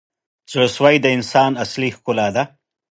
• زړه سوی د انسان اصلي ښکلا ده.